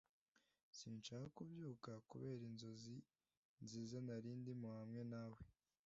Sinshaka kubyuka kubera inzozi nziza nari ndimo hamwe nawe